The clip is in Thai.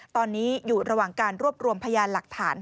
ตอนนี้อยู่ระหว่างการรวบรวมพยานหลักฐาน